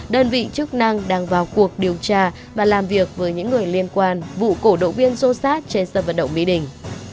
đơn vị chức năng đang vào cuộc điều tra và làm việc với những người liên quan vụ cổ động viên xô xát trên sân vận động mỹ đình